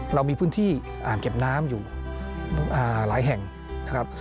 เรามีพื้นที่อ่างเก็บน้ำอยู่หลายแห่งนะครับ